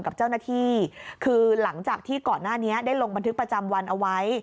กับเจ้าหน้าที่คือหลังจากที่ก่อนหน้านี้ได้ลงบันทึกประจำวันเอาไว้